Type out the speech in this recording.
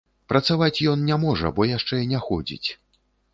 Працаваць ён не можа, бо яшчэ не ходзіць.